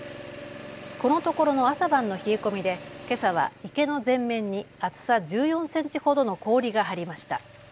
このところの朝晩の冷え込みでけさは池の全面に厚さ１４センチほどの氷が張りました。